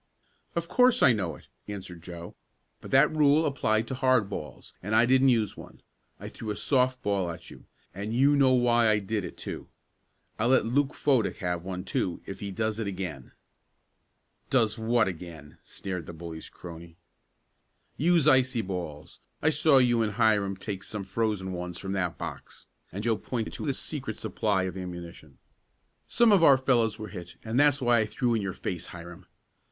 "Of course I know it," answered Joe. "But that rule applied to hard balls, and I didn't use one. I threw a soft ball at you, and you know why I did it, too. I'll let Luke Fodick have one, too, if he does it again." "Does what again?" sneered the bully's crony. "Use icy balls. I saw you and Hiram take some frozen ones from that box," and Joe pointed to the secret supply of ammunition. "Some of our fellows were hit and that's why I threw in your face, Hiram.